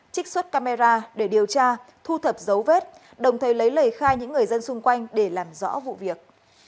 trích xuất camera để điều tra thu thập dấu vết đồng thời lấy lời khai những người dân xung quanh để làm rõ vụ việc